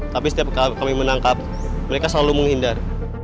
tapi setiap kami menangkap mereka selalu menghindar